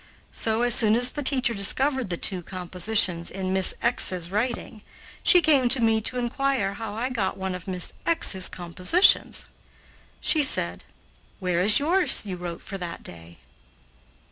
So, as soon as the teacher discovered the two compositions in Miss 's writing, she came to me to inquire how I got one of Miss 's compositions. She said, "Where is yours that you wrote for that day?"